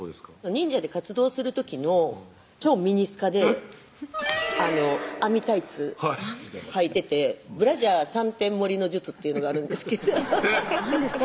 忍者で活動する時の超ミニスカで網タイツはいててブラジャー３点盛りの術っていうのがあるんですけど何ですか？